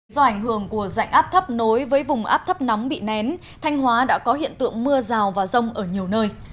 do ảnh hưởng của dạnh áp thấp nối với vùng áp thấp nóng bị nén thanh hóa đã có hiện tượng mưa rào và rông ở nhiều nơi